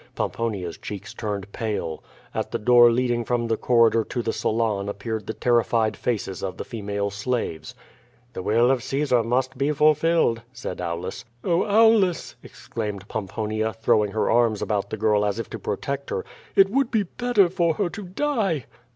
Pomponia's cheeks turned pale. At the door leading from the coiTidor to the salon appeared the terrified faces of the female slaves. The will of Caesar must be fulfilled," said Aulus. ^Oh, Aulus!'' exclaimed Pomponia, throwing her arms about the girl as if to protect her, "it would be better for her to die!"